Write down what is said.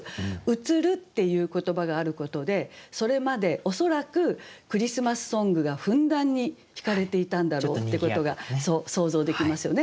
「移る」っていう言葉があることでそれまで恐らくクリスマスソングがふんだんに弾かれていたんだろうってことが想像できますよね。